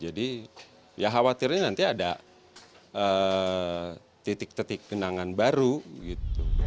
jadi ya khawatir ini nanti ada titik titik kenangan baru gitu